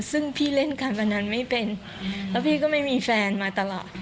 ซึ่งพี่เล่นการพนันไม่เป็นแล้วพี่ก็ไม่มีแฟนมาตลอด